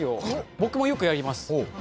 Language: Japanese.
僕もよくやります。